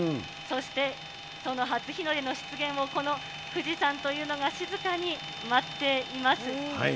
そして、その初日の出の出現をこの富士山というのが静かに待っています。